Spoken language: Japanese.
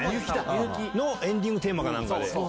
みゆきのエンディングテーマかなんかで。